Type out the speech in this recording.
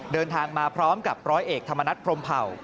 เดินทางมาพร้อมกับร้อยเอกธรรมนัฐพรมเผ่า